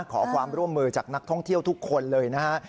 ขอความร่วมมือจากนักท่องเที่ยวทุกคนเลยนะฮะ